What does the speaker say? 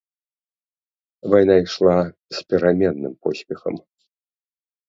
Вайна ішла з пераменным поспехам.